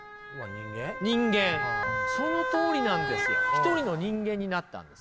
一人の人間になったんです。